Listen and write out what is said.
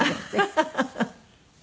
ハハハハ。